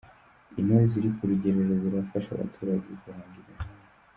Intore ziri kurugerero zirafasha abaturage guhanga imihanda